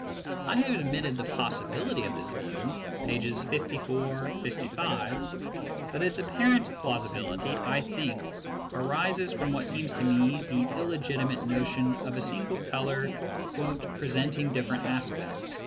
I have admitted the possibility of this view (pp. 54, 55), but its ap parent plausibility, I think, arises from what seems to me the illegitimate notion of a single colour "presenting different as pects